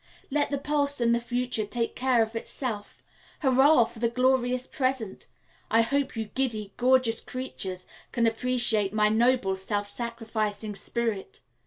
Let the past and the future take care care of itself. Hurrah for the glorious present! I hope you giddy, gorgeous creatures can appreciate my noble, self sacrificing spirit.